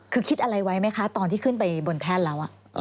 คือคิดอะไรไว้ไหมคะตอนที่ขึ้นไปบนแท่นแล้ว